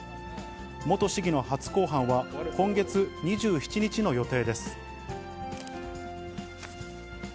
元市議の初公判は、今月２７日の予定です。